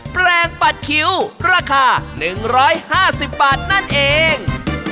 แปลงปัดคิ้วราคา๑๕๐บาทนั่นเอง